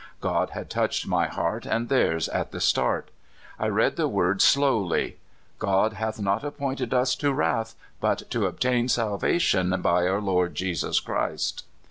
God had touched my heart and theirs at the start. I read the words slowly: " God hath not appointed us to wrath, but to obtain salvation by our Lord Jesus Christ."